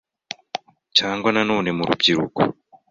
cyangwa na none mu rubyiruko,